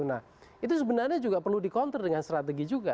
nah itu sebenarnya juga perlu di counter dengan strategi juga